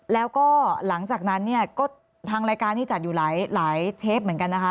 แล้วก็หลังจากนั้นเนี่ยก็ทางรายการนี้จัดอยู่หลายเทปเหมือนกันนะคะ